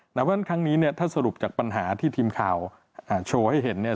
เพราะฉะนั้นครั้งนี้เนี่ยถ้าสรุปจากปัญหาที่ทีมข่าวโชว์ให้เห็นเนี่ย